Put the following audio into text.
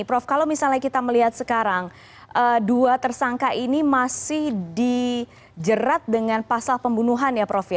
prof kalau misalnya kita melihat sekarang dua tersangka ini masih dijerat dengan pasal pembunuhan ya prof